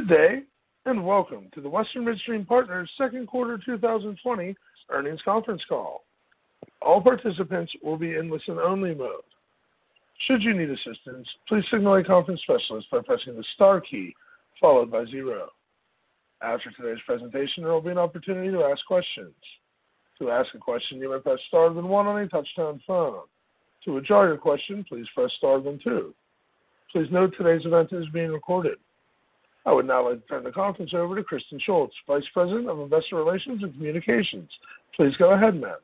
Good day, welcome to the Western Midstream Partners second quarter 2020 earnings conference call. All participants will be in listen-only mode. Should you need assistance, please signal a conference specialist by pressing the star key followed by zero. After today's presentation, there will be an opportunity to ask questions. To ask a question, you may press star then one on a touch-tone phone. To withdraw your question, please press star then two. Please note today's event is being recorded. I would now like to turn the conference over to Kristen Shults, Vice President of Investor Relations and Communications. Please go ahead, ma'am.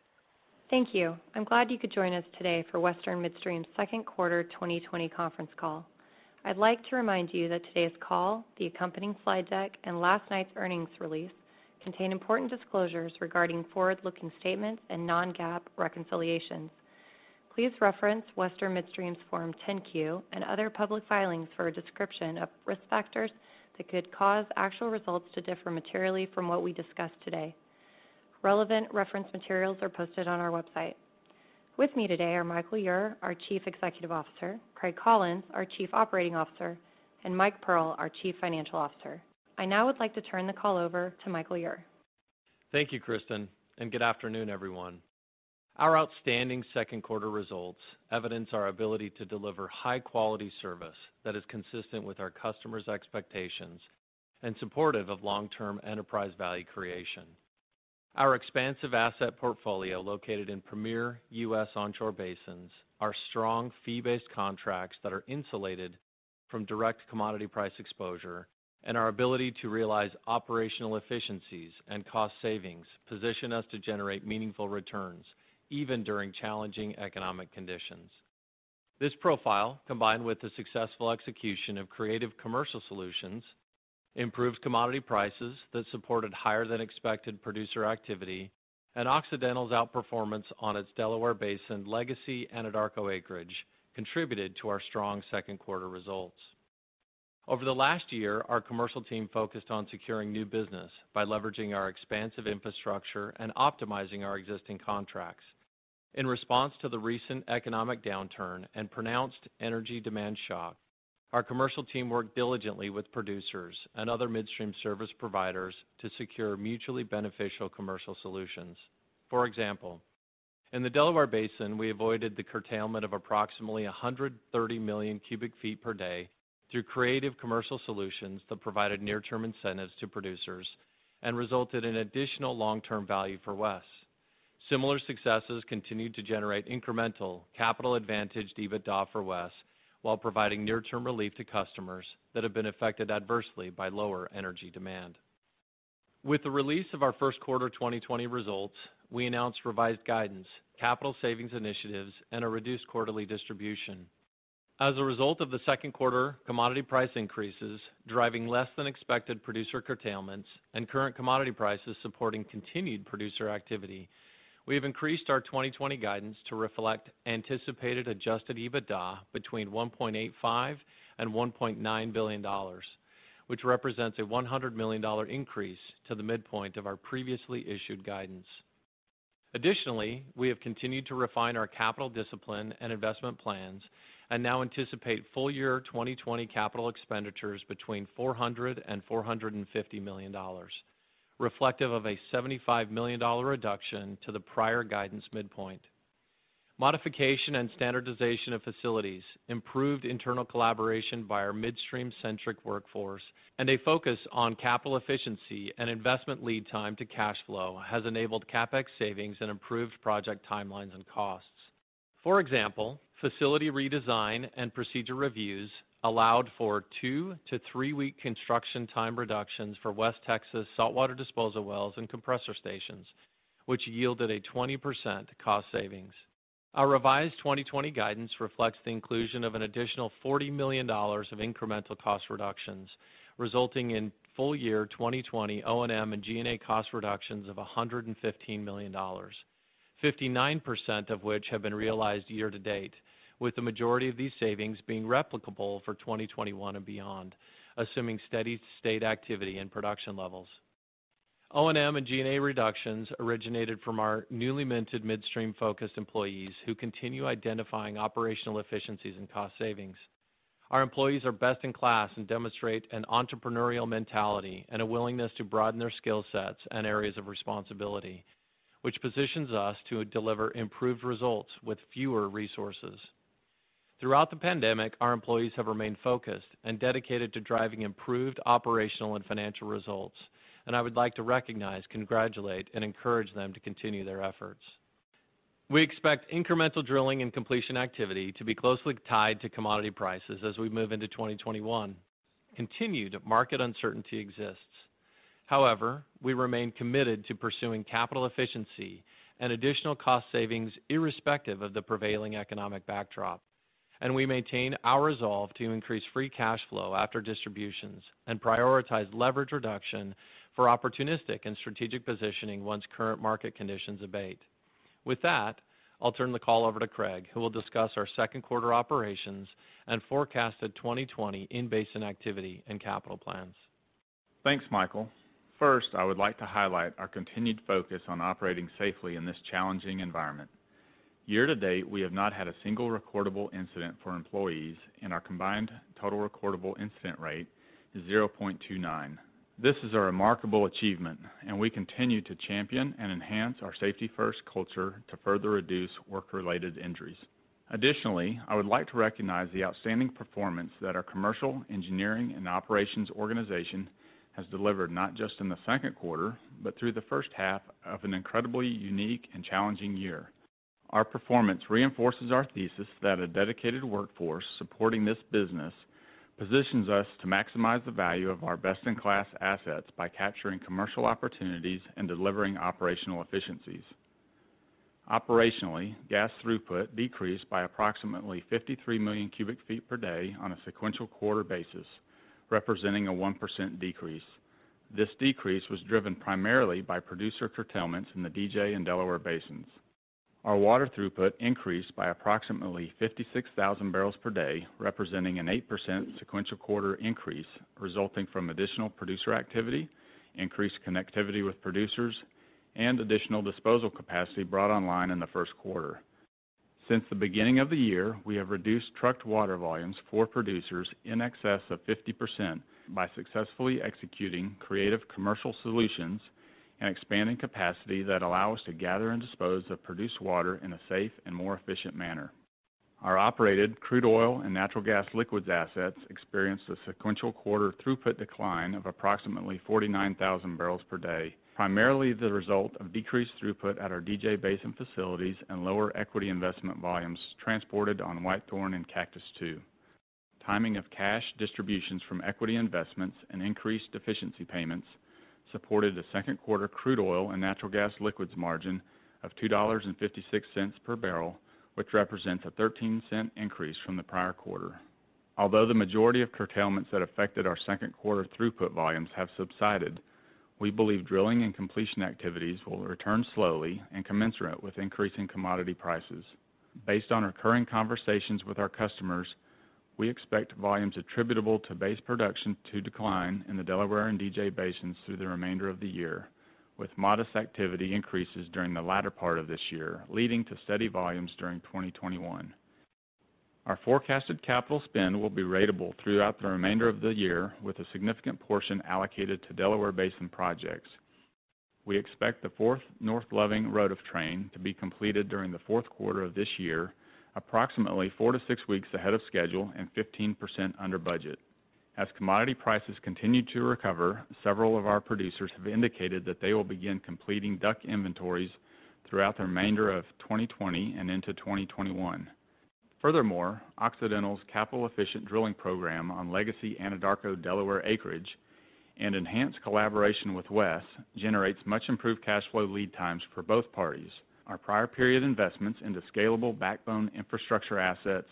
Thank you. I'm glad you could join us today for Western Midstream's second quarter 2020 conference call. I'd like to remind you that today's call, the accompanying slide deck, and last night's earnings release contain important disclosures regarding forward-looking statements and non-GAAP reconciliations. Please reference Western Midstream's Form 10-Q and other public filings for a description of risk factors that could cause actual results to differ materially from what we discuss today. Relevant reference materials are posted on our website. With me today are Michael Ure, our Chief Executive Officer; Craig Collins, our Chief Operating Officer; and Mike Pearl, our Chief Financial Officer. I now would like to turn the call over to Michael Ure. Thank you, Kristen, and good afternoon, everyone. Our outstanding second quarter results evidence our ability to deliver high-quality service that is consistent with our customers' expectations and supportive of long-term enterprise value creation. Our expansive asset portfolio, located in premier U.S. onshore basins, our strong fee-based contracts that are insulated from direct commodity price exposure, and our ability to realize operational efficiencies and cost savings position us to generate meaningful returns even during challenging economic conditions. This profile, combined with the successful execution of creative commercial solutions, improved commodity prices that supported higher than expected producer activity, and Occidental's outperformance on its Delaware Basin legacy and Anadarko acreage contributed to our strong second quarter results. Over the last year, our commercial team focused on securing new business by leveraging our expansive infrastructure and optimizing our existing contracts. In response to the recent economic downturn and pronounced energy demand shock, our commercial team worked diligently with producers and other midstream service providers to secure mutually beneficial commercial solutions. For example, in the Delaware Basin, we avoided the curtailment of approximately 130 million cu ft/d through creative commercial solutions that provided near-term incentives to producers and resulted in additional long-term value for WES. Similar successes continued to generate incremental capital advantage to EBITDA for WES while providing near-term relief to customers that have been affected adversely by lower energy demand. With the release of our first quarter 2020 results, we announced revised guidance, capital savings initiatives, and a reduced quarterly distribution. As a result of the second quarter commodity price increases driving less-than-expected producer curtailments and current commodity prices supporting continued producer activity, we have increased our 2020 guidance to reflect anticipated adjusted EBITDA between $1.85 billion and $1.9 billion, which represents a $100 million increase to the midpoint of our previously issued guidance. We have continued to refine our capital discipline and investment plans and now anticipate full year 2020 capital expenditures between $400 million and $450 million, reflective of a $75 million reduction to the prior guidance midpoint. Modification and standardization of facilities, improved internal collaboration by our midstream-centric workforce, and a focus on capital efficiency and investment lead time to cash flow has enabled CapEx savings and improved project timelines and costs. For example, facility redesign and procedure reviews allowed for two to three-week construction time reductions for West Texas saltwater disposal wells and compressor stations, which yielded a 20% cost savings. Our revised 2020 guidance reflects the inclusion of an additional $40 million of incremental cost reductions, resulting in full year 2020 O&M and G&A cost reductions of $115 million, 59% of which have been realized year to date, with the majority of these savings being replicable for 2021 and beyond, assuming steady state activity and production levels. O&M and G&A reductions originated from our newly minted midstream-focused employees who continue identifying operational efficiencies and cost savings. Our employees are best in class and demonstrate an entrepreneurial mentality and a willingness to broaden their skill sets and areas of responsibility, which positions us to deliver improved results with fewer resources. Throughout the pandemic, our employees have remained focused and dedicated to driving improved operational and financial results, and I would like to recognize, congratulate, and encourage them to continue their efforts. We expect incremental drilling and completion activity to be closely tied to commodity prices as we move into 2021. Continued market uncertainty exists. However, we remain committed to pursuing capital efficiency and additional cost savings irrespective of the prevailing economic backdrop, and we maintain our resolve to increase free cash flow after distributions and prioritize leverage reduction for opportunistic and strategic positioning once current market conditions abate. With that, I'll turn the call over to Craig, who will discuss our second quarter operations and forecasted 2020 in-basin activity and capital plans. Thanks, Michael. First, I would like to highlight our continued focus on operating safely in this challenging environment. Year to date, we have not had a single recordable incident for employees, and our combined Total Recordable Incident Rate is 0.29. This is a remarkable achievement. We continue to champion and enhance our safety-first culture to further reduce work-related injuries. Additionally, I would like to recognize the outstanding performance that our commercial, engineering, and operations organization has delivered, not just in the second quarter, but through the first half of an incredibly unique and challenging year. Our performance reinforces our thesis that a dedicated workforce supporting this business positions us to maximize the value of our best-in-class assets by capturing commercial opportunities and delivering operational efficiencies. Operationally, gas throughput decreased by approximately 53 million cu ft/d on a sequential quarter basis, representing a 1% decrease. This decrease was driven primarily by producer curtailments in the DJ and Delaware Basins. Our water throughput increased by approximately 56,000 BPD, representing an 8% sequential quarter increase resulting from additional producer activity, increased connectivity with producers, and additional disposal capacity brought online in the first quarter. Since the beginning of the year, we have reduced trucked water volumes for producers in excess of 50% by successfully executing creative commercial solutions and expanding capacity that allow us to gather and dispose of produced water in a safe and more efficient manner. Our operated crude oil and natural gas liquids assets experienced a sequential quarter throughput decline of approximately 49,000 BPD, primarily the result of decreased throughput at our DJ basin facilities and lower equity investment volumes transported on White Cliffs and Cactus II. Timing of cash distributions from equity investments and increased deficiency payments supported a second quarter crude oil and natural gas liquids margin of $2.56 per barrel, which represents a $0.13 increase from the prior quarter. Although the majority of curtailments that affected our second quarter throughput volumes have subsided, we believe drilling and completion activities will return slowly and commensurate with increasing commodity prices. Based on our current conversations with our customers, we expect volumes attributable to base production to decline in the Delaware and DJ basins through the remainder of the year, with modest activity increases during the latter part of this year, leading to steady volumes during 2021. Our forecasted capital spend will be ratable throughout the remainder of the year, with a significant portion allocated to Delaware Basin projects. We expect the fourth North Loving train to be completed during the fourth quarter of this year, approximately four to six weeks ahead of schedule and 15% under budget. As commodity prices continue to recover, several of our producers have indicated that they will begin completing DUC inventories throughout the remainder of 2020 and into 2021. Furthermore, Occidental's capital-efficient drilling program on legacy Anadarko Delaware acreage and enhanced collaboration with WES generates much improved cash flow lead times for both parties. Our prior period investments into scalable backbone infrastructure assets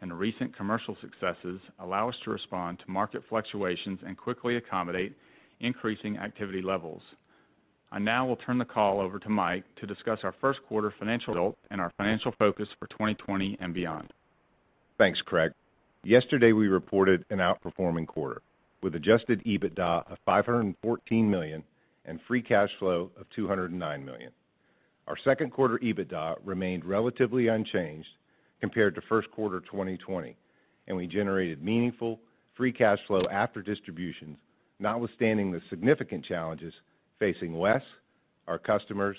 and recent commercial successes allow us to respond to market fluctuations and quickly accommodate increasing activity levels. I now will turn the call over to Mike to discuss our first quarter financial results and our financial focus for 2020 and beyond. Thanks, Craig. Yesterday, we reported an outperforming quarter, with adjusted EBITDA of $514 million and free cash flow of $209 million. Our second quarter EBITDA remained relatively unchanged compared to first quarter 2020, and we generated meaningful free cash flow after distributions notwithstanding the significant challenges facing WES, our customers,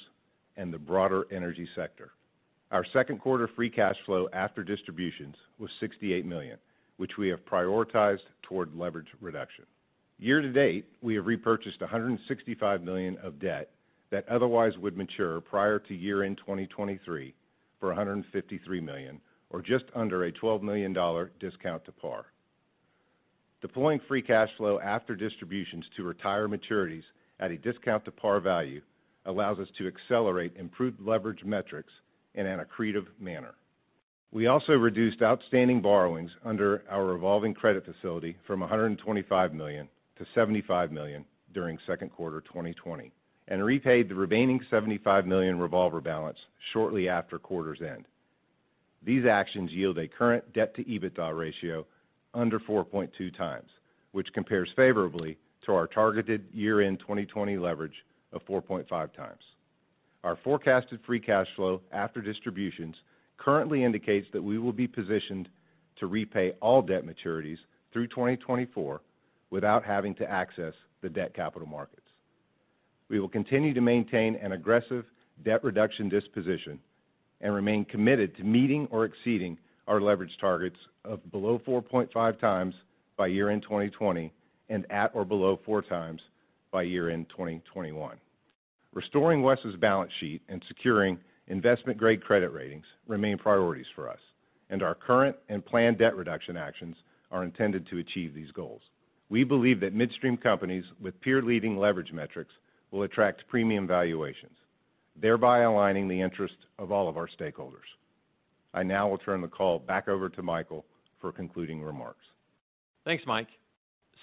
and the broader energy sector. Our second quarter free cash flow after distributions was $68 million, which we have prioritized toward leverage reduction. Year to date, we have repurchased $165 million of debt that otherwise would mature prior to year-end 2023 for $153 million, or just under a $12 million discount to par. Deploying free cash flow after distributions to retire maturities at a discount to par value allows us to accelerate improved leverage metrics in an accretive manner. We also reduced outstanding borrowings under our revolving credit facility from $125 million-$75 million during second quarter 2020 and repaid the remaining $75 million revolver balance shortly after quarter's end. These actions yield a current debt to EBITDA ratio under 4.2x, which compares favorably to our targeted year-end 2020 leverage of 4.5x. Our forecasted free cash flow after distributions currently indicates that we will be positioned to repay all debt maturities through 2024 without having to access the debt capital markets. We will continue to maintain an aggressive debt reduction disposition and remain committed to meeting or exceeding our leverage targets of below 4.5x by year-end 2020 and at or below four times by year-end 2021. Restoring WES's balance sheet and securing investment-grade credit ratings remain priorities for us, and our current and planned debt reduction actions are intended to achieve these goals. We believe that midstream companies with peer-leading leverage metrics will attract premium valuations, thereby aligning the interest of all of our stakeholders. I now will turn the call back over to Michael for concluding remarks. Thanks, Mike.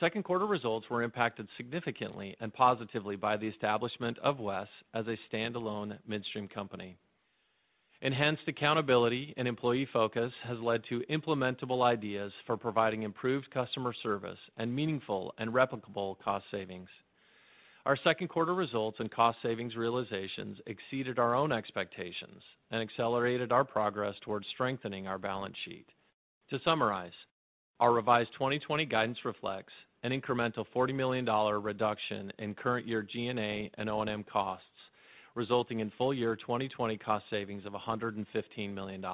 Second quarter results were impacted significantly and positively by the establishment of WES as a standalone midstream company. Enhanced accountability and employee focus has led to implementable ideas for providing improved customer service and meaningful and replicable cost savings. Our second quarter results and cost savings realizations exceeded our own expectations and accelerated our progress towards strengthening our balance sheet. To summarize, our revised 2020 guidance reflects an incremental $40 million reduction in current year G&A and O&M costs, resulting in full-year 2020 cost savings of $115 million.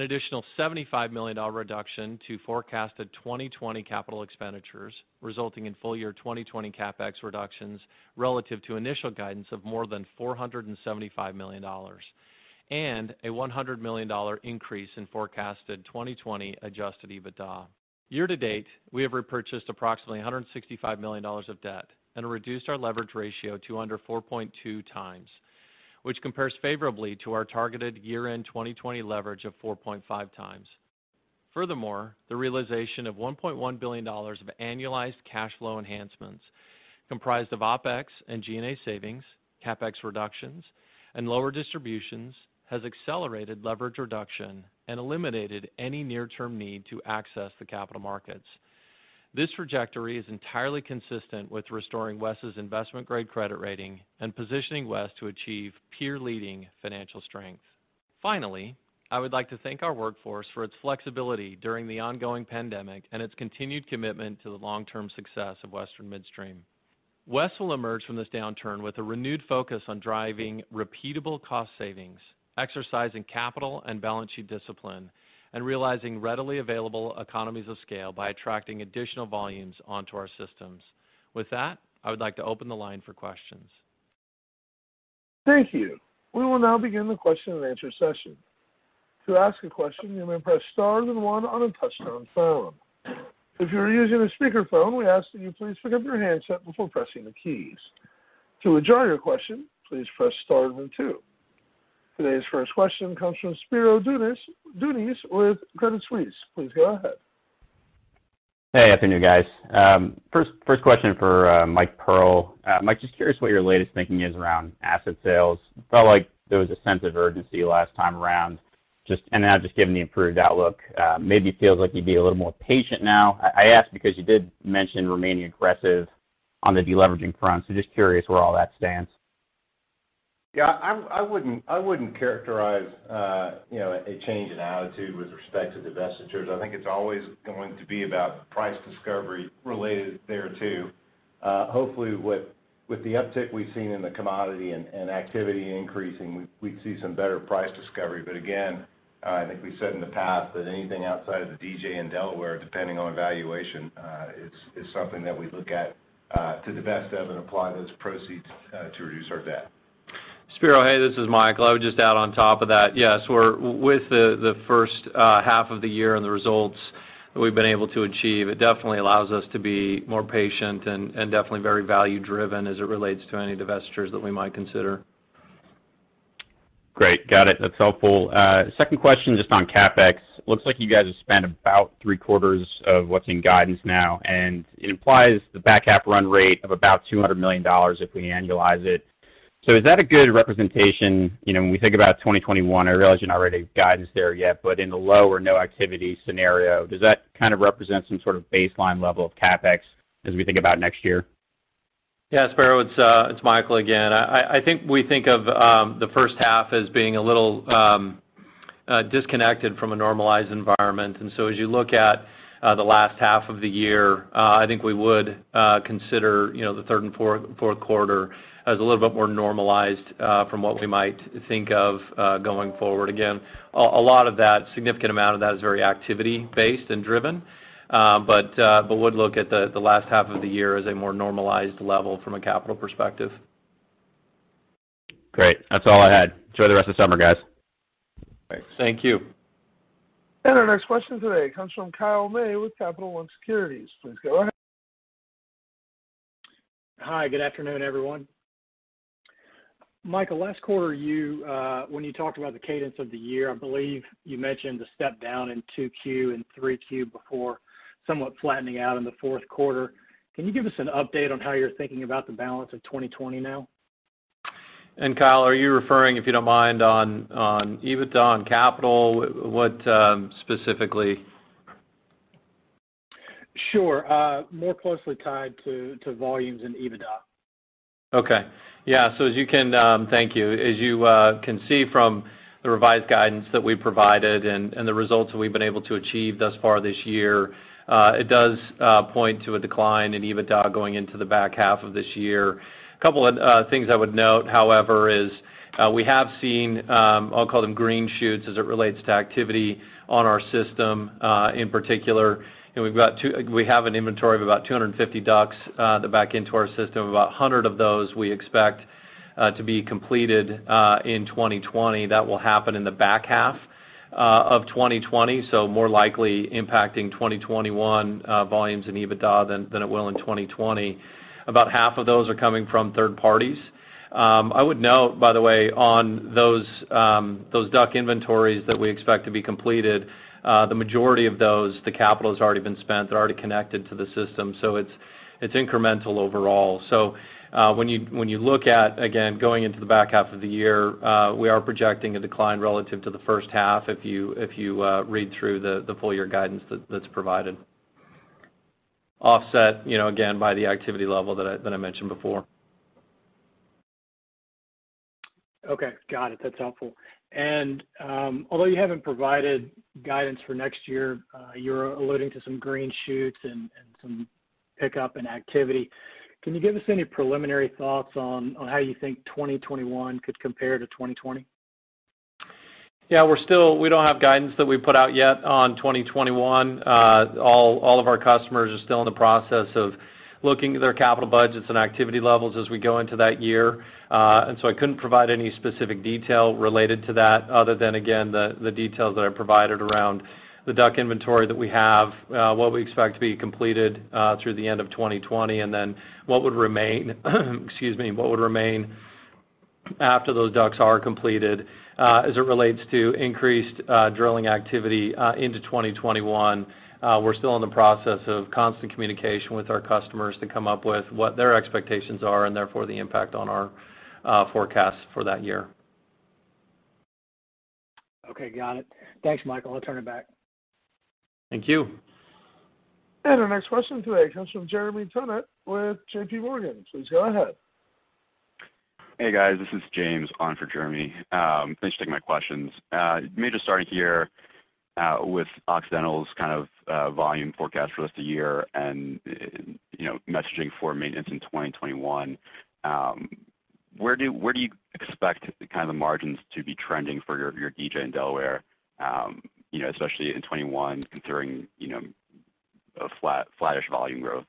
Additional $75 million reduction to forecasted 2020 capital expenditures, resulting in full-year 2020 CapEx reductions relative to initial guidance of more than $475 million. A $100 million increase in forecasted 2020 adjusted EBITDA. Year to date, we have repurchased approximately $165 million of debt and reduced our leverage ratio to under 4.2x, which compares favorably to our targeted year-end 2020 leverage of 4.5x. Furthermore, the realization of $1.1 billion of annualized cash flow enhancements, comprised of OpEx and G&A savings, CapEx reductions, and lower distributions, has accelerated leverage reduction and eliminated any near-term need to access the capital markets. This trajectory is entirely consistent with restoring WES's investment-grade credit rating and positioning WES to achieve peer-leading financial strength. Finally, I would like to thank our workforce for its flexibility during the ongoing pandemic and its continued commitment to the long-term success of Western Midstream. WES will emerge from this downturn with a renewed focus on driving repeatable cost savings, exercising capital and balance sheet discipline, and realizing readily available economies of scale by attracting additional volumes onto our systems. With that, I would like to open the line for questions. Thank you. We will now begin the question and answer session. To ask a question you may press star one on touch-tone phone. If you're using a speakerphone, we ask that you raise up your handset before pressing the keys. To withdraw your question, please press star and two. Today's first question comes from Spiro Dounis with Credit Suisse. Please go ahead. Hey, afternoon, guys. First question for Mike Pearl. Mike, just curious what your latest thinking is around asset sales. Felt like there was a sense of urgency last time around. Now just given the improved outlook, maybe feels like you'd be a little more patient now. I ask because you did mention remaining aggressive on the deleveraging front, so just curious where all that stands. I wouldn't characterize a change in attitude with respect to divestitures. I think it's always going to be about price discovery related thereto. Hopefully, with the uptick we've seen in the commodity and activity increasing, we'd see some better price discovery. Again, I think we said in the past that anything outside of the DJ and Delaware, depending on valuation, is something that we look at to divest of and apply those proceeds to reduce our debt. Spiro, hey, this is Michael. I would just add on top of that, yes, with the first half of the year and the results that we've been able to achieve, it definitely allows us to be more patient and definitely very value-driven as it relates to any divestitures that we might consider. Great. Got it. That's helpful. Second question, just on CapEx. Looks like you guys have spent about three-quarters of what's in guidance now, and it implies the back half run rate of about $200 million if we annualize it. Is that a good representation when we think about 2021, I realize you don't have any guidance there yet, but in the low or no activity scenario, does that kind of represent some sort of baseline level of CapEx as we think about next year? Yeah, Spiro, it's Michael again. I think we think of the first half as being a little disconnected from a normalized environment. As you look at the last half of the year, I think we would consider the third and fourth quarter as a little bit more normalized, from what we might think of going forward. Again, a significant amount of that is very activity-based and driven. Would look at the last half of the year as a more normalized level from a capital perspective. Great. That's all I had. Enjoy the rest of the summer, guys. Thanks. Thank you. Our next question today comes from Kyle May with Capital One Securities. Please go ahead. Hi, good afternoon, everyone. Michael, last quarter, when you talked about the cadence of the year, I believe you mentioned a step down in Q2 and Q3 before somewhat flattening out in the fourth quarter. Can you give us an update on how you're thinking about the balance of 2020 now? Kyle, are you referring, if you don't mind, on EBITDA, on capital? What specifically? Sure. More closely tied to volumes and EBITDA. Okay. Yeah. Thank you. As you can see from the revised guidance that we provided and the results that we've been able to achieve thus far this year, it does point to a decline in EBITDA going into the back half of this year. A couple of things I would note, however, is we have seen, I'll call them green shoots as it relates to activity on our system. In particular, we have an inventory of about 250 DUCs to back into our system. About 100 of those we expect to be completed in 2020. That will happen in the back half of 2020, so more likely impacting 2021 volumes and EBITDA than it will in 2020. About half of those are coming from third parties. I would note, by the way, on those DUC inventories that we expect to be completed, the majority of those, the CapEx has already been spent. They're already connected to the system. It's incremental overall. When you look at, again, going into the back half of the year, we are projecting a decline relative to the first half if you read through the full-year guidance that's provided, offset, again, by the activity level that I mentioned before. Okay. Got it. That's helpful. Although you haven't provided guidance for next year, you're alluding to some green shoots and some pickup in activity. Can you give us any preliminary thoughts on how you think 2021 could compare to 2020? Yeah, we don't have guidance that we've put out yet on 2021. All of our customers are still in the process of looking at their capital budgets and activity levels as we go into that year. I couldn't provide any specific detail related to that other than, again, the details that I provided around the DUC inventory that we have, what we expect to be completed through the end of 2020, and then what would remain, excuse me, what would remain after those DUCs are completed. As it relates to increased drilling activity into 2021, we're still in the process of constant communication with our customers to come up with what their expectations are and therefore the impact on our forecast for that year. Okay. Got it. Thanks, Michael. I'll turn it back. Thank you. Our next question today comes from Jeremy Tonet with JPMorgan. Please go ahead. Hey, guys. This is James on for Jeremy. Thanks for taking my questions. Maybe just starting here, with Occidental's kind of volume forecast for the rest of the year and messaging for maintenance in 2021. Where do you expect kind of the margins to be trending for your DJ and Delaware, especially in 2021, considering a flattish volume growth?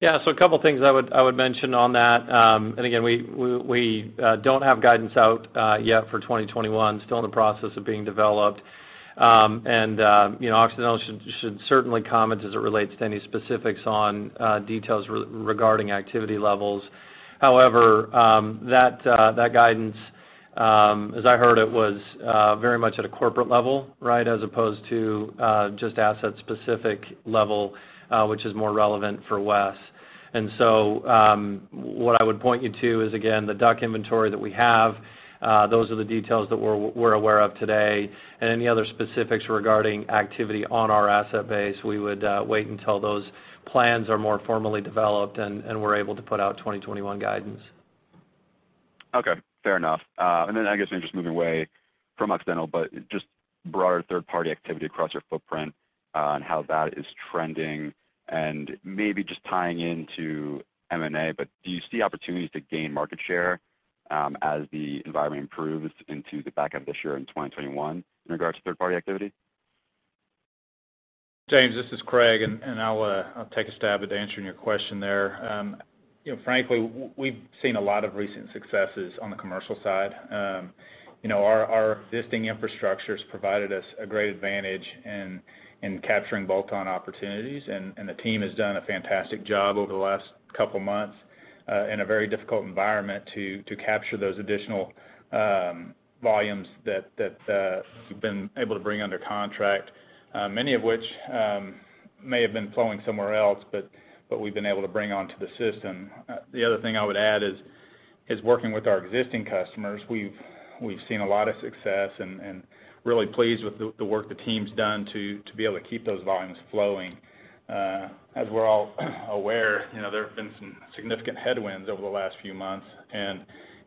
Yeah. A couple things I would mention on that. Again, we don't have guidance out yet for 2021. Still in the process of being developed. Occidental should certainly comment as it relates to any specifics on details regarding activity levels. However, that guidance, as I heard it, was very much at a corporate level as opposed to just asset-specific level, which is more relevant for WES. What I would point you to is, again, the DUC inventory that we have. Those are the details that we're aware of today, and any other specifics regarding activity on our asset base, we would wait until those plans are more formally developed and we're able to put out 2021 guidance. Okay. Fair enough. I guess maybe just moving away from Occidental, but just broader third-party activity across your footprint, on how that is trending and maybe just tying into M&A. Do you see opportunities to gain market share as the environment improves into the back end of this year in 2021 in regards to third-party activity? James, this is Craig. I'll take a stab at answering your question there. Frankly, we've seen a lot of recent successes on the commercial side. Our existing infrastructure's provided us a great advantage in capturing bolt-on opportunities, and the team has done a fantastic job over the last couple of months, in a very difficult environment to capture those additional volumes that we've been able to bring under contract. Many of which may have been flowing somewhere else, we've been able to bring onto the system. The other thing I would add is working with our existing customers. We've seen a lot of success and really pleased with the work the team's done to be able to keep those volumes flowing. As we're all aware, there have been some significant headwinds over the last few months.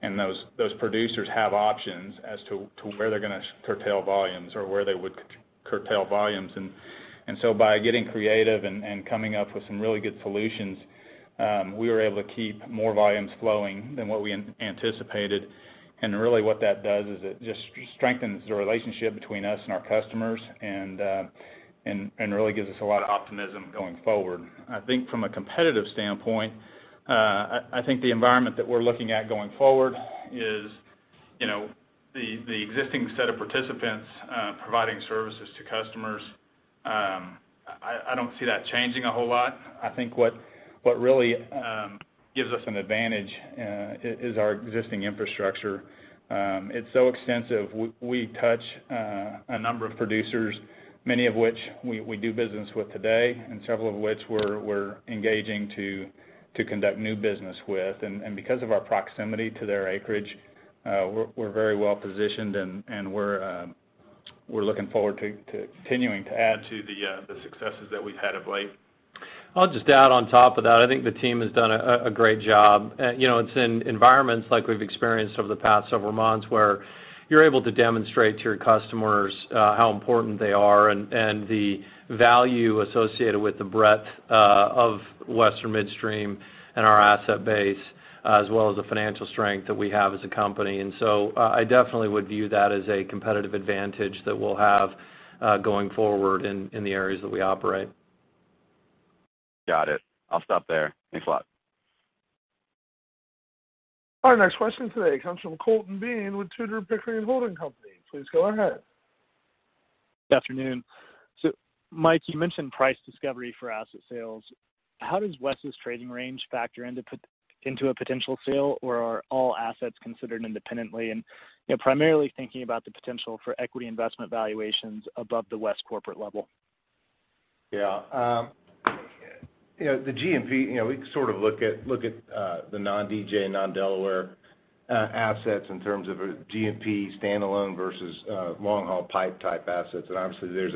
Those producers have options as to where they're going to curtail volumes or where they would curtail volumes. By getting creative and coming up with some really good solutions, we were able to keep more volumes flowing than what we anticipated. Really what that does is it just strengthens the relationship between us and our customers and really gives us a lot of optimism going forward. I think from a competitive standpoint, I think the environment that we're looking at going forward is the existing set of participants providing services to customers. I don't see that changing a whole lot. I think what really gives us an advantage is our existing infrastructure. It's so extensive. We touch a number of producers, many of which we do business with today, and several of which we're engaging to conduct new business with. Because of our proximity to their acreage, we're very well-positioned, and we're looking forward to continuing to add to the successes that we've had of late. I'll just add on top of that, I think the team has done a great job. It's in environments like we've experienced over the past several months where you're able to demonstrate to your customers how important they are and the value associated with the breadth of Western Midstream and our asset base, as well as the financial strength that we have as a company. I definitely would view that as a competitive advantage that we'll have going forward in the areas that we operate. Got it. I'll stop there. Thanks a lot. Our next question today comes from Colton Bean with Tudor, Pickering, Holt & Co.. Please go ahead. Good afternoon. Mike, you mentioned price discovery for asset sales. How does WES' trading range factor into a potential sale, or are all assets considered independently? Primarily thinking about the potential for equity investment valuations above the WES corporate level. Yeah. We sort of look at the non-DJ and non-Delaware assets in terms of a G&P standalone versus long-haul pipe type assets. Obviously, there's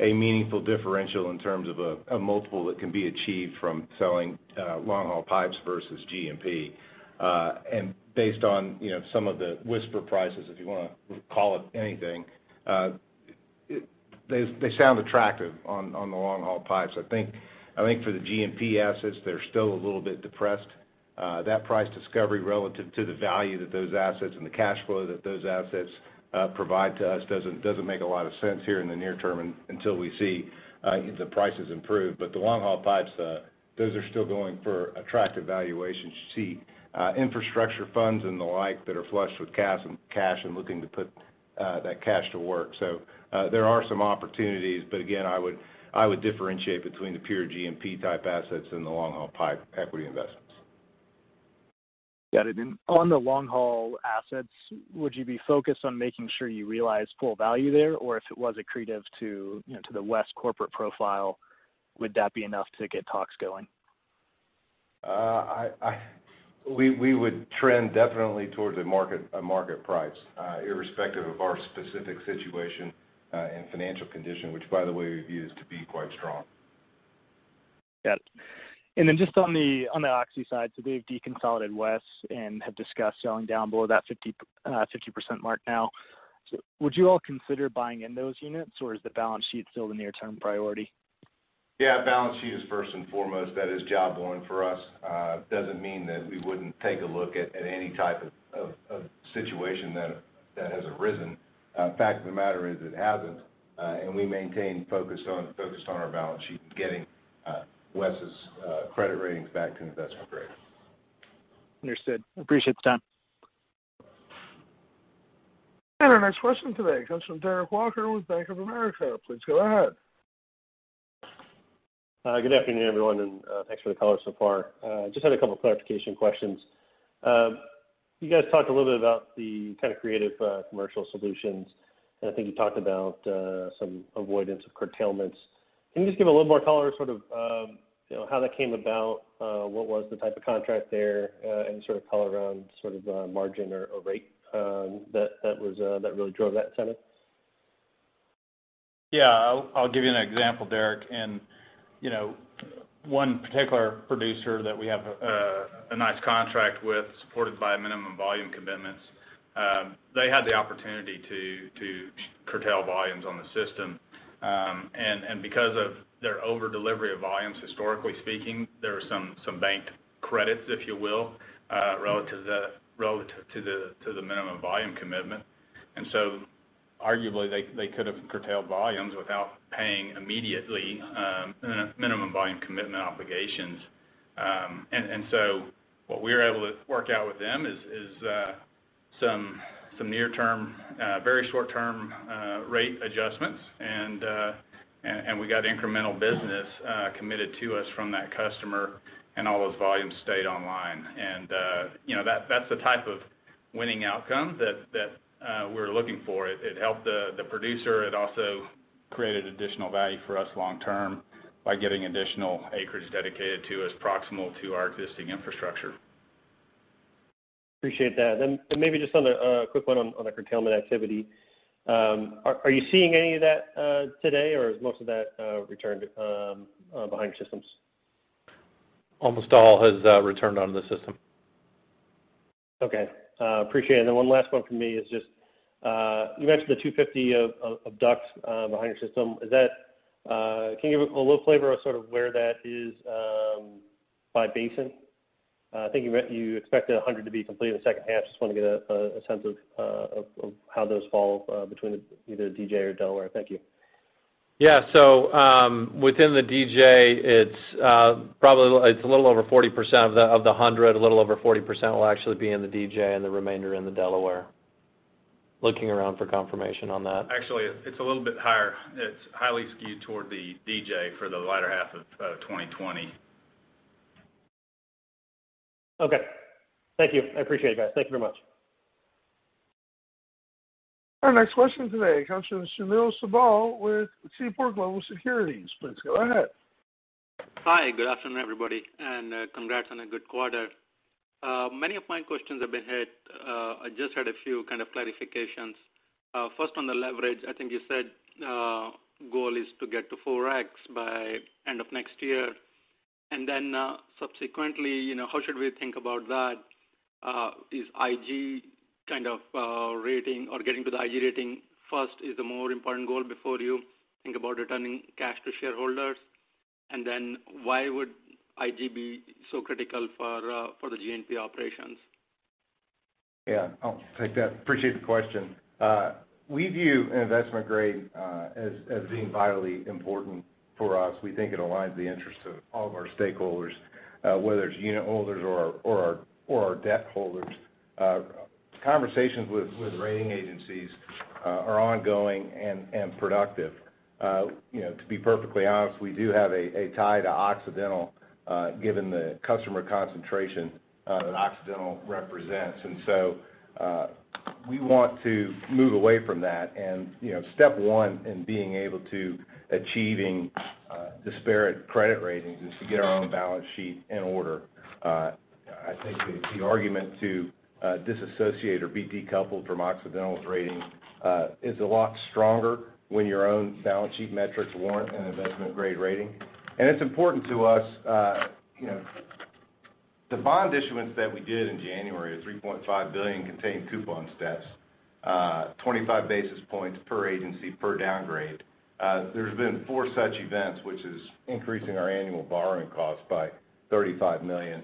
a meaningful differential in terms of a multiple that can be achieved from selling long-haul pipes versus G&P. Based on some of the whisper prices. They sound attractive on the long-haul pipes. I think for the G&P assets, they're still a little bit depressed. That price discovery relative to the value that those assets and the cash flow that those assets provide to us doesn't make a lot of sense here in the near term until we see the prices improve. The long-haul pipes, those are still going for attractive valuations. You see infrastructure funds and the like that are flush with cash and looking to put that cash to work. There are some opportunities. Again, I would differentiate between the pure G&P type assets and the long-haul pipe equity investments. Got it. On the long-haul assets, would you be focused on making sure you realize full value there? If it was accretive to the WES corporate profile, would that be enough to get talks going? We would trend definitely towards a market price, irrespective of our specific situation and financial condition. Which by the way, we view this to be quite strong. Got it. Just on the Oxy side, they've deconsolidated WES and have discussed selling down below that 50% mark now. Would you all consider buying in those units, or is the balance sheet still the near-term priority? Yeah, balance sheet is first and foremost. That is job one for us. Doesn't mean that we wouldn't take a look at any type of situation that has arisen. Fact of the matter is, it hasn't. We maintain focus on our balance sheet and getting WES' credit ratings back to investment-grade. Understood. Appreciate the time. Our next question today comes from Derek Walker with Bank of America. Please go ahead. Good afternoon, everyone. Thanks for the color so far. Just had a couple clarification questions. You guys talked a little bit about the kind of creative commercial solutions, and I think you talked about some avoidance of curtailments. Can you just give a little more color, sort of how that came about? What was the type of contract there, and sort of color around sort of the margin or rate that really drove that tenor? Yeah. I'll give you an example, Derek. One particular producer that we have a nice contract with, supported by minimum volume commitments, they had the opportunity to curtail volumes on the system. Because of their over-delivery of volumes, historically speaking, there were some banked credits, if you will, relative to the minimum volume commitment. Arguably, they could have curtailed volumes without paying immediately minimum volume commitment obligations. What we were able to work out with them is some near term, very short term rate adjustments. We got incremental business committed to us from that customer, and all those volumes stayed online. That's the type of winning outcome that we're looking for. It helped the producer. It also created additional value for us long term by getting additional acreage dedicated to us proximal to our existing infrastructure. Appreciate that. Maybe just a quick one on the curtailment activity. Are you seeing any of that today, or has most of that returned behind your systems? Almost all has returned onto the system. Okay. Appreciate it. One last one from me is just, you mentioned the 250 DUCs behind your system. Can you give a little flavor of sort of where that is by basin? I think you expect 100 to be completed in the second half. Just want to get a sense of how those fall between either DJ or Delaware. Thank you. Yeah. Within the DJ, it's a little over 40% of the 100. A little over 40% will actually be in the DJ, and the remainder in the Delaware. Looking around for confirmation on that. Actually, it's a little bit higher. It's highly skewed toward the DJ for the latter half of 2020. Okay. Thank you. I appreciate it, guys. Thank you very much. Our next question today comes from Sunil Sibal with Seaport Global Securities. Please go ahead. Hi. Good afternoon, everybody. Congrats on a good quarter. Many of my questions have been hit. I just had a few kind of clarifications. First on the leverage, I think you said goal is to get to 4X by end of next year. Subsequently, how should we think about that? Is IG kind of rating or getting to the IG rating first is the more important goal before you think about returning cash to shareholders? Why would IG be so critical for the G&P operations? Yeah. I'll take that. Appreciate the question. We view an investment-grade as being vitally important for us. We think it aligns the interest of all of our stakeholders, whether it's unit holders or our debt holders. Conversations with rating agencies are ongoing and productive. To be perfectly honest, we do have a tie to Occidental, given the customer concentration that Occidental represents. We want to move away from that. Step one in being able to achieving disparate credit ratings is to get our own balance sheet in order. I think the argument to disassociate or be decoupled from Occidental's rating is a lot stronger when your own balance sheet metrics warrant an investment-grade rating. It's important to us. The bond issuance that we did in January of $3.5 billion contained coupon steps, 25 basis points per agency per downgrade. There's been four such events, which is increasing our annual borrowing cost by $35 million.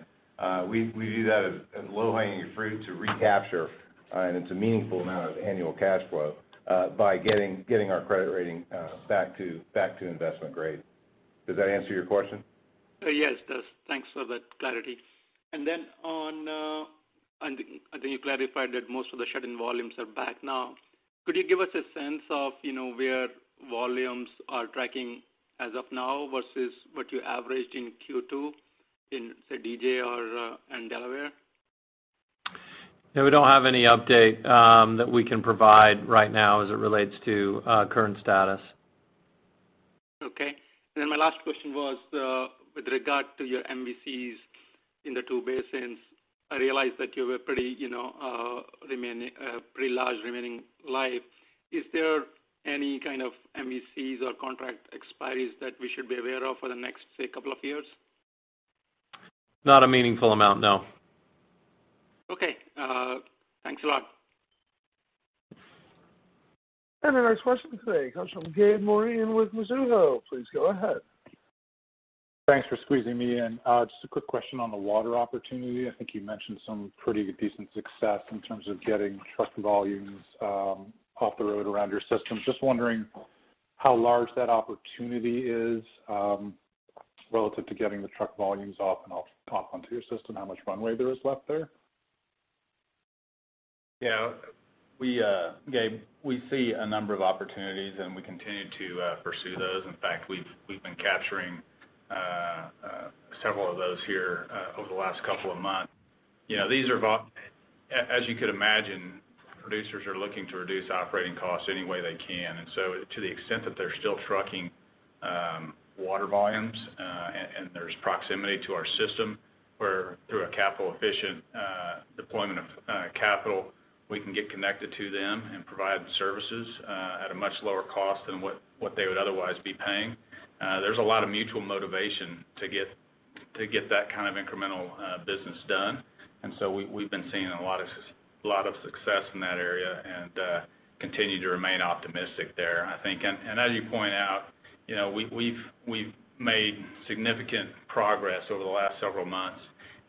We view that as low-hanging fruit to recapture, it's a meaningful amount of annual cash flow, by getting our credit rating back to investment-grade. Does that answer your question? Yes, it does. Thanks for that clarity. I think you clarified that most of the shut-in volumes are back now. Could you give us a sense of where volumes are tracking as of now versus what you averaged in Q2 in, say, DJ and Delaware? We don't have any update that we can provide right now as it relates to current status. Okay. My last question was with regard to your MVCs in the two basins. I realize that you have a pretty large remaining life. Is there any kind of MVCs or contract expiries that we should be aware of for the next, say, couple of years? Not a meaningful amount, no. Okay. Thanks a lot. Our next question today comes from Gabe Moreen with Mizuho. Please go ahead. Thanks for squeezing me in. Just a quick question on the water opportunity. I think you mentioned some pretty decent success in terms of getting truck volumes off the road around your system. Just wondering how large that opportunity is relative to getting the truck volumes off and onto your system, how much runway there is left there? Yeah. Gabe, we see a number of opportunities, and we continue to pursue those. In fact, we've been capturing several of those here over the last couple of months. As you could imagine, producers are looking to reduce operating costs any way they can. To the extent that they're still trucking water volumes, and there's proximity to our system, where through a capital-efficient deployment of capital, we can get connected to them and provide services at a much lower cost than what they would otherwise be paying. There's a lot of mutual motivation to get that kind of incremental business done. We've been seeing a lot of success in that area and continue to remain optimistic there, I think. As you point out, we've made significant progress over the last several months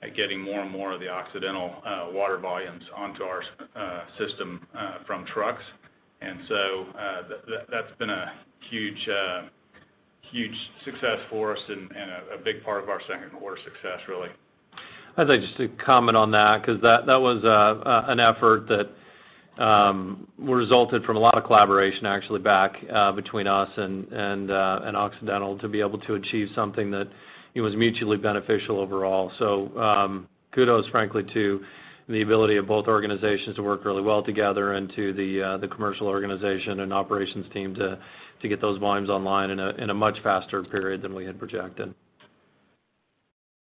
at getting more and more of the Occidental water volumes onto our system from trucks. That's been a huge success for us and a big part of our second quarter success, really. I'd like just to comment on that because that was an effort that resulted from a lot of collaboration, actually, back between us and Occidental to be able to achieve something that was mutually beneficial overall. Kudos, frankly, to the ability of both organizations to work really well together and to the commercial organization and operations team to get those volumes online in a much faster period than we had projected.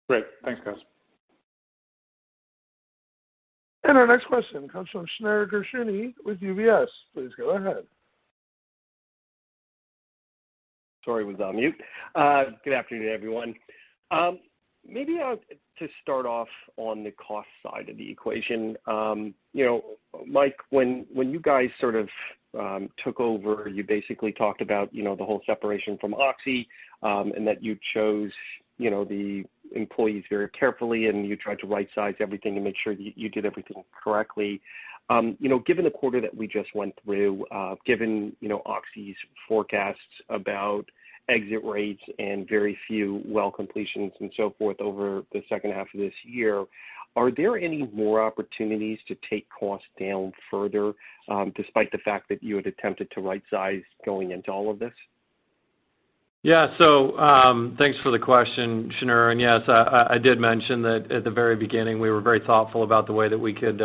Great. Thanks, guys. Our next question comes from Shneur Gershuni with UBS. Please go ahead. Sorry, was on mute. Good afternoon, everyone. Maybe to start off on the cost side of the equation. Mike, when you guys sort of took over, you basically talked about the whole separation from Oxy, and that you chose the employees very carefully, and you tried to right-size everything to make sure you did everything correctly. Given the quarter that we just went through, given Oxy's forecasts about exit rates and very few well completions and so forth over the second half of this year, are there any more opportunities to take costs down further, despite the fact that you had attempted to right-size going into all of this? Yeah. Thanks for the question, Shneur. Yes, I did mention that at the very beginning, we were very thoughtful about the way that we could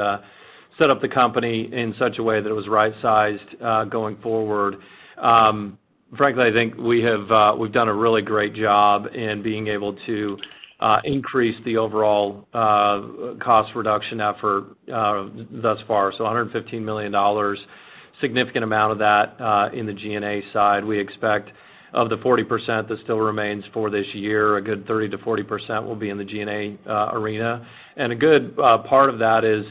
set up the company in such a way that it was right-sized going forward. Frankly, I think we've done a really great job in being able to increase the overall cost reduction effort thus far. $115 million, significant amount of that in the G&A side. We expect of the 40% that still remains for this year, a good 30%-40% will be in the G&A arena. A good part of that is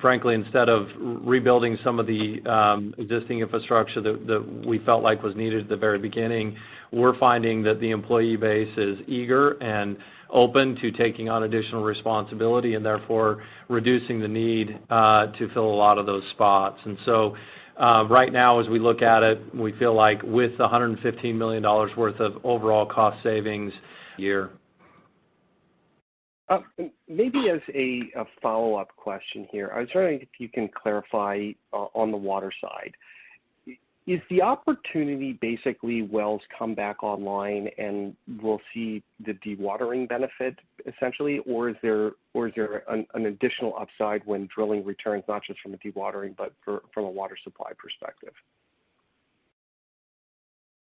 frankly, instead of rebuilding some of the existing infrastructure that we felt like was needed at the very beginning, we're finding that the employee base is eager and open to taking on additional responsibility and therefore reducing the need to fill a lot of those spots. Right now, as we look at it, we feel like with the $115 million worth of overall cost savings year. Maybe as a follow-up question here. I was wondering if you can clarify on the water side. Is the opportunity basically wells come back online, and we will see the dewatering benefit essentially, or is there an additional upside when drilling returns, not just from a dewatering, but from a water supply perspective?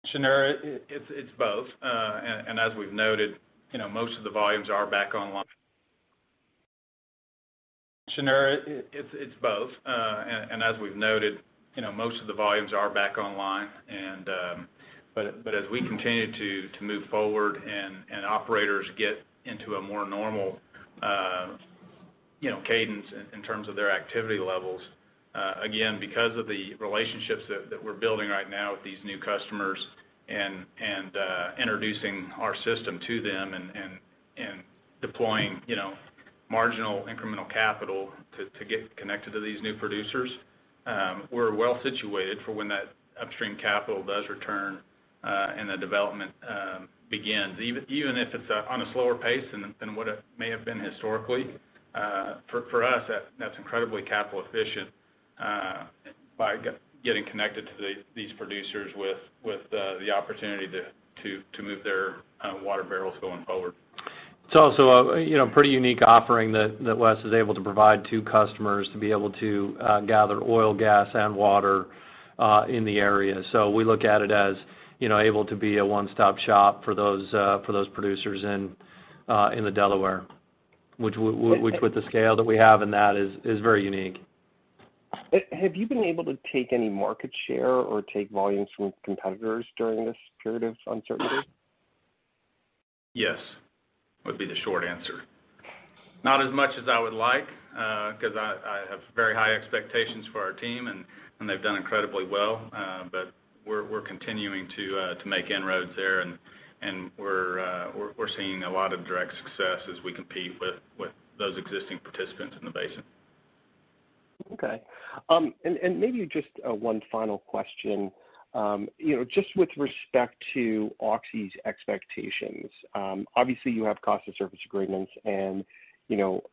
Shneur, it's both. As we've noted, most of the volumes are back online. As we continue to move forward and operators get into a more normal cadence in terms of their activity levels, again, because of the relationships that we're building right now with these new customers and introducing our system to them and deploying marginal incremental capital to get connected to these new producers, we're well-situated for when that upstream capital does return and the development begins. Even if it's on a slower pace than what it may have been historically. For us, that's incredibly capital efficient by getting connected to these producers with the opportunity to move their water barrels going forward. It's also a pretty unique offering that WES is able to provide to customers to be able to gather oil, gas, and water in the area. We look at it as able to be a one-stop shop for those producers in the Delaware, which with the scale that we have in that is very unique. Have you been able to take any market share or take volumes from competitors during this period of uncertainty? Yes, would be the short answer. Not as much as I would like, because I have very high expectations for our team, and they've done incredibly well. We're continuing to make inroads there, and we're seeing a lot of direct success as we compete with those existing participants in the basin. Okay. Maybe just one final question. Just with respect to Oxy's expectations. Obviously, you have cost of service agreements, and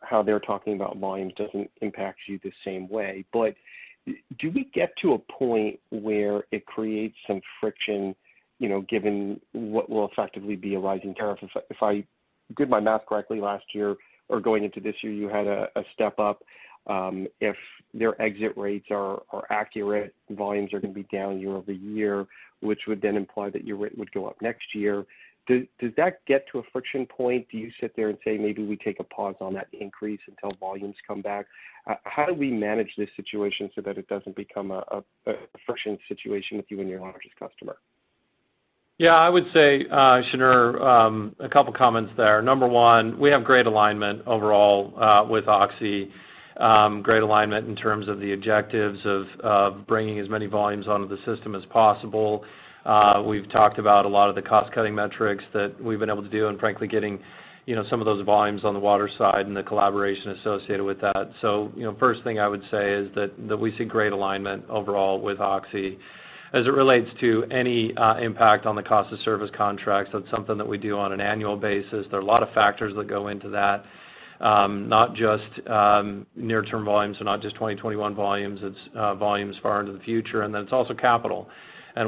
how they're talking about volumes doesn't impact you the same way. Do we get to a point where it creates some friction given what will effectively be a rising tariff? If I did my math correctly last year or going into this year, you had a step-up. If their exit rates are accurate, volumes are going to be down year-over-year, which would then imply that your rate would go up next year. Does that get to a friction point? Do you sit there and say, "Maybe we take a pause on that increase until volumes come back?" How do we manage this situation so that it doesn't become a friction situation with you and your largest customer? Yeah, I would say, Shneur, a couple of comments there. Number one, we have great alignment overall with Oxy. Great alignment in terms of the objectives of bringing as many volumes out of the system as possible. We've talked about a lot of the cost-cutting metrics that we've been able to do, and frankly, getting some of those volumes on the water side and the collaboration associated with that. First thing I would say is that we see great alignment overall with Oxy. As it relates to any impact on the cost of service contracts, that's something that we do on an annual basis. There are a lot of factors that go into that. Not just near-term volumes, so not just 2021 volumes, it's volumes far into the future, and then it's also capital and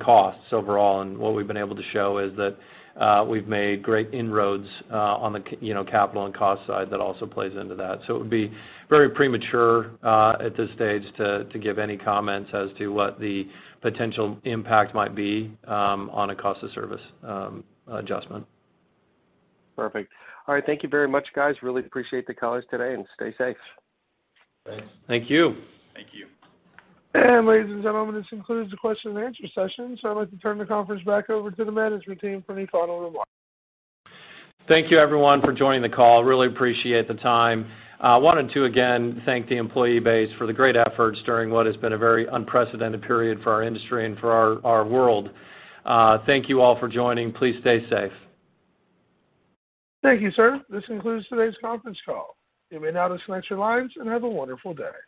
costs overall. What we've been able to show is that we've made great inroads on the capital and cost side that also plays into that. It would be very premature at this stage to give any comments as to what the potential impact might be on a cost of service adjustment. Perfect. All right. Thank you very much, guys. Really appreciate the call today, and stay safe. Thanks. Thank you. Thank you. Ladies and gentlemen, this concludes the question and answer session. I'd like to turn the conference back over to the management team for any final remarks. Thank you, everyone, for joining the call. Really appreciate the time. I wanted to, again, thank the employee base for the great efforts during what has been a very unprecedented period for our industry and for our world. Thank you all for joining. Please stay safe. Thank you, sir. This concludes today's conference call. You may now disconnect your lines, and have a wonderful day.